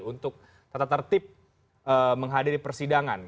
untuk tata tertib menghadiri persidangan